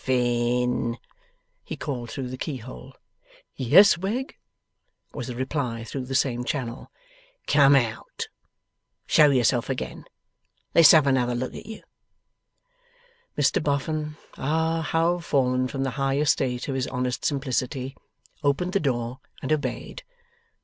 'Bof fin!' he called through the keyhole. 'Yes, Wegg,' was the reply through the same channel. 'Come out. Show yourself again. Let's have another look at you!' Mr Boffin ah, how fallen from the high estate of his honest simplicity! opened the door and obeyed.